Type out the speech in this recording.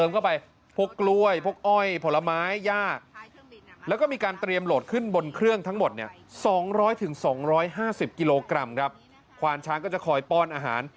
๒๕๐กิโลกรัมครับควานช้างก็จะคอยป้อนอาหาร